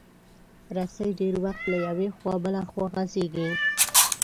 رسۍ ډېر وخت له یوې خوا بله خوا غځېږي.